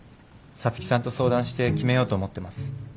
皐月さんと相談して決めようと思っています。